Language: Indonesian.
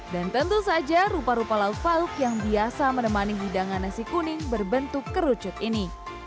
dan tentu saja rupa rupa lauk lauk yang biasa menemani hidangan nasi kuning berbentuk kerucut ini